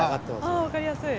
ああ分かりやすい。